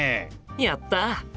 やった！